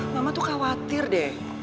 mama tuh khawatir deh